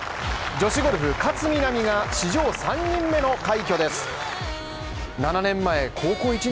女子ゴルフ勝みなみが史上３人目の快挙です。